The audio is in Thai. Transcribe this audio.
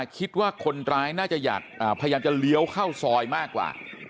คิดว่าคนร้ายน่าจะอยากพยายามจะเลี้ยวเข้าซอยมากกว่า